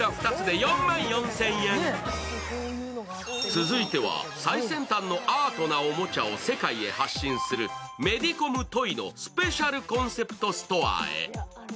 続いては最先端のアートなおもちゃを世界に発信するメディコム・トイのスペシャルコンセプトストアへ。